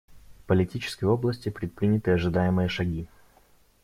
В политической области предприняты ожидаемые шаги.